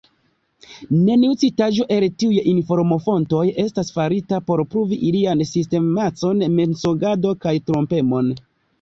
Neniu citaĵo el tiuj informofontoj estas farita por pruvi ilian sistemecan mensogadon kaj trompemon.